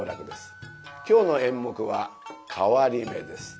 今日の演目は「替り目」です。